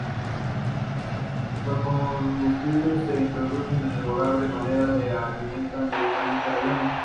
Los combustibles se introducen en el hogar de manera que alimenten directamente la llama.